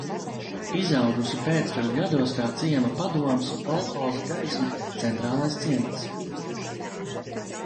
"Izaugusi pēckara gados kā ciema padomes un kolhoza "Gaisma" centrālais ciemats."